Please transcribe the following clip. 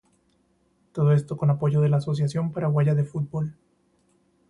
Todo esto con apoyo de la Asociación Paraguaya de Fútbol.